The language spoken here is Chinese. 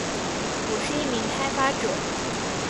我是一名开发者